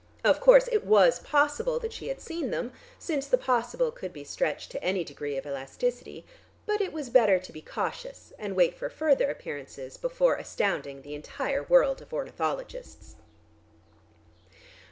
Of course, it was possible that she had seen them, since the possible could be stretched to any degree of elasticity, but it was better to be cautious and wait for further appearances before astounding the entire world of ornithologists.